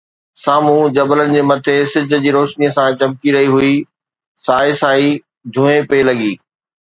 سامهون جبلن جي مٽي سج جي روشنيءَ سان چمڪي رهي هئي، سائي سائي ڌوئي پئي لڳي